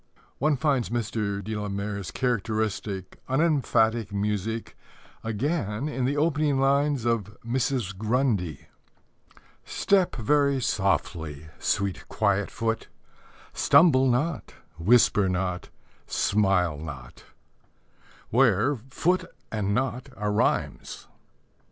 One finds Mr. de la Mare's characteristic, unemphatic music again in the opening lines of Mrs. Grundy: Step very softly, sweet Quiet foot, Stumble not, whisper not, smile not, where "foot" and "not" are rhymes.